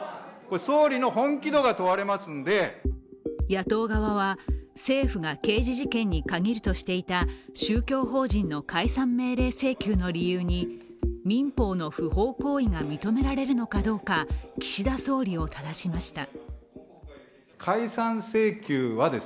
野党側は、政府が刑事事件に限るとしていた宗教法人の解散命令請求の理由に民法の不法行為が認められるのかどうか岸田総理をただしました。